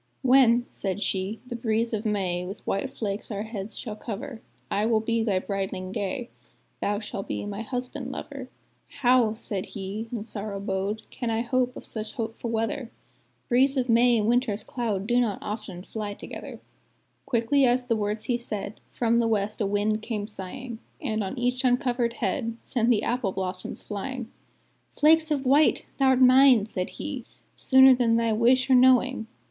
"When," said she, "the breeze of May With white flakes our heads shall cover, I will be thy brideling gay Thou shall be my husband lover." "How," said he, in sorrow bowed, "Can I hope such hopeful weather? Breeze of May and Winter's cloud Do not often fly together." Quickly as the words he said, From the west a wind came sighing, And on each uncovered head Sent the apple blossoms flying; "'Flakes of white!' thou'rt mine," said he, "Sooner than thy wish or knowing!"